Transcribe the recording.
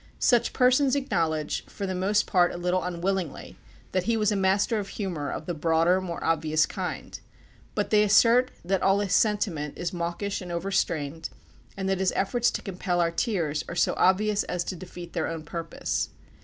Such persons acknowledge, for the most part a little unwillingly, that he was a master of humour of the broader, more obvious kind. But they assert that all his sentiment is mawkish and overstrained, and that his efforts to compel our tears are so obvious as to defeat their own purpose.